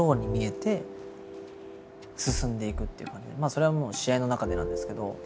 それはもう試合の中でなんですけど。